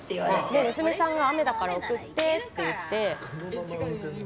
娘さんが雨だから送ってって言って。